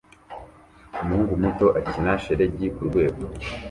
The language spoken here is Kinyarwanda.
Umuhungu muto akina na shelegi kurwego